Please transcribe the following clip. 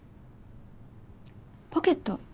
ポケット。